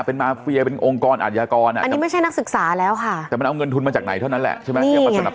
เป็นมาเฟียเป็นองค์กรอัธยากรอ่ะอันนี้ไม่ใช่นักศึกษาแล้วค่ะแต่มันเอาเงินทุนมาจากไหนเท่านั้นแหละใช่ไหม